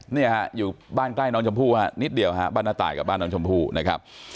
เนี่ยฮะอยู่บ้านใกล้น้องชมพู่ฮะนิดเดียวฮะบ้านน้าตายกับบ้านน้องชมพู่นะครับ